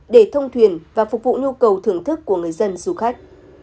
để thông thuyền và phục vụ nhu cầu thưởng thức của người dân du khách